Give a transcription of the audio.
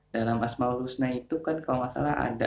dalam asma'ul husna itu kan kalau masalah ada